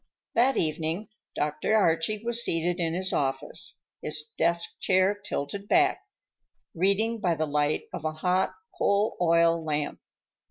That evening Dr. Archie was seated in his office, his desk chair tilted back, reading by the light of a hot coal oil lamp.